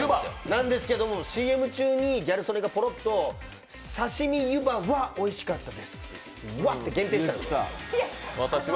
なんですけど、ＣＭ中にギャル曽根がぽろっと「さしみゆばはおいしかったです」って「は」って限定したんです。